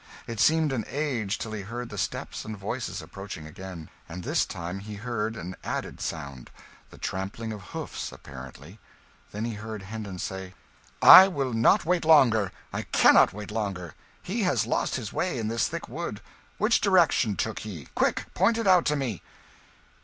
It seemed an age till he heard the steps and voices approaching again and this time he heard an added sound, the trampling of hoofs, apparently. Then he heard Hendon say "I will not wait longer. I cannot wait longer. He has lost his way in this thick wood. Which direction took he? Quick point it out to me."